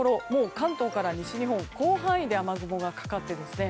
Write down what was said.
関東から西日本の広範囲で雨雲がかかっていますね。